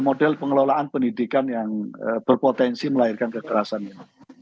model pengelolaan pendidikan yang berpotensi melahirkan kekerasan ini